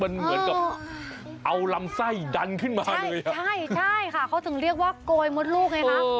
อย่าธิจากาศเยออกมา